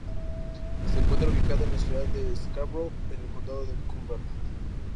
Se encuentra ubicado en la ciudad de Scarborough en el Condado de Cumberland.